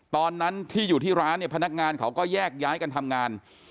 ตอนนั้นที่อยู่ที่ร้านเนี่ยพนักงานเขาก็แยกย้ายกันทำงาน